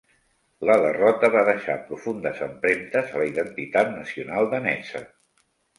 La derrota va deixar profundes empremtes a la identitat nacional danesa.